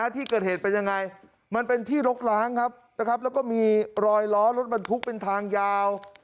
ที่เกิดเหตุเป็นยังไงมันเป็นที่ลกล้างครับแล้วก็มีรอยล้อรถบรรทุกเป็นทางยาว